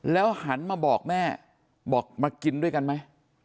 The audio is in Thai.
แล้วหันมาบอกแม่บอกมากินด้วยกันมั้ย